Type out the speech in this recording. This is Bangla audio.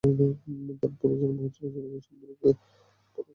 তার পরও যানবাহন চলাচল করছে সমানে, বরং আগের তুলনায় বেড়েছে কয়েক গুণ।